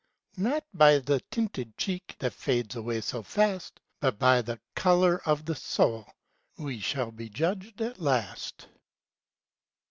Not by the tinted cheek, That fades away so fast, But by the color of the sotd^ We shall be judged at last.